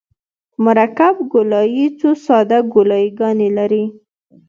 مرکب ګولایي څو ساده ګولایي ګانې لري